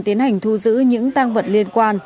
tiến hành thu giữ những tang vật liên quan